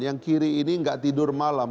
yang kiri ini tidak tidur malam